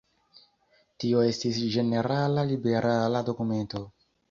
Tio estis ĝenerala liberala dokumento.